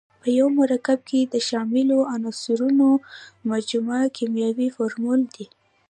په یوه مرکب کې د شاملو عنصرونو مجموعه کیمیاوي فورمول دی.